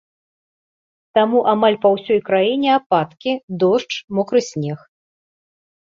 Таму амаль па ўсёй краіне ападкі, дождж, мокры снег.